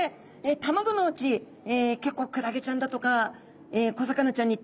卵のうち結構クラゲちゃんだとか小魚ちゃんに食べられてしまうんですね。